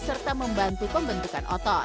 serta membantu pembentukan otot